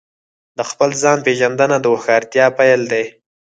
د خپل ځان پېژندنه د هوښیارتیا پیل دی.